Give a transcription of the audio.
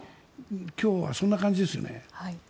今日はそんな感じですよね。